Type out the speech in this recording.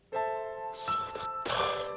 そうだった。